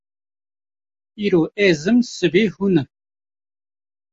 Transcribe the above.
Îro ez im sibê hûn in